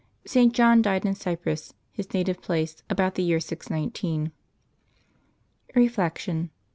St. John died in Cyprus, his native place, about the year 619. Reflection.